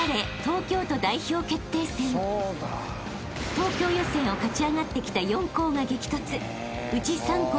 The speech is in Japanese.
［東京予選を勝ち上がってきた４校が激突］